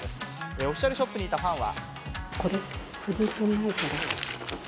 オフィシャルショップにいたファンは。